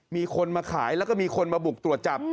มีคนมาขายแล้วก็มีคนมาบุกตรวจจับ